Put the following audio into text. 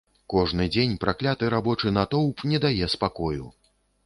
Кожны дзень пракляты рабочы натоўп не дае спакою.